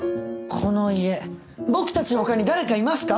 この家僕たちの他に誰かいますか？